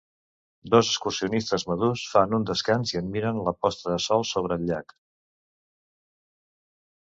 Dos excursionistes madurs fan un descans i admirem la posta de sol sobre el llac.